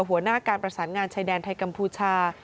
หัวหน้าการประสานงานชายแดนไทยกัมพูชา